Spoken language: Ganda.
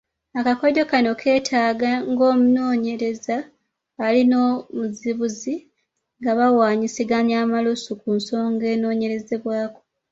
Akakodyo kano keetaaga ng’omunoonyereza ali n’omuzibuzi nga bawaanyisiganya amalusu ku nsonga enoonyeerezebwako.